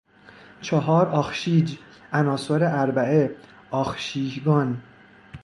چهار آخشیج، عناصر اربعه، آخشیگان